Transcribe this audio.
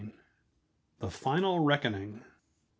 The Final Reckoning.